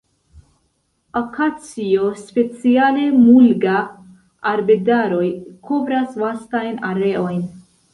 Akacio, speciale "mulga"-arbedaroj kovras vastajn areojn.